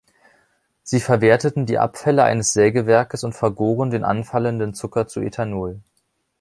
Sie verwerteten die Abfälle eines Sägewerkes und vergoren den anfallenden Zucker zu Ethanol.